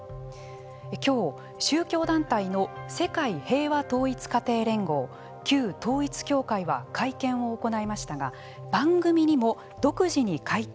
きょう、宗教団体の世界平和統一家庭連合旧統一教会は会見を行いましたが番組にも独自に回答を寄せました。